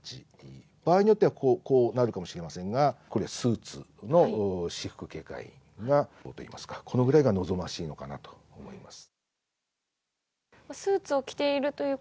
場合によってはこうなるかもしれませんがこれはスーツの私服警戒員がこのぐらいが望ましいのかなとみています。